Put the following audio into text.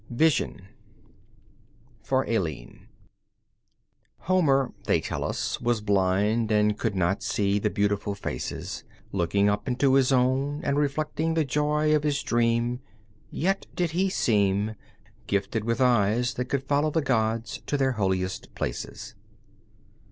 Vision (For Aline) Homer, they tell us, was blind and could not see the beautiful faces Looking up into his own and reflecting the joy of his dream, Yet did he seem Gifted with eyes that could follow the gods to their holiest places.